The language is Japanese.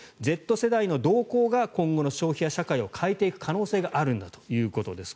Ｚ世代の動向が今後の消費や社会を変えていく可能性があるんだということです。